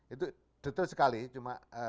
itu detail sekali cuma